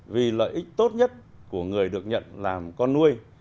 vì lợi ích tốt nhất của người được nhận làm con nuôi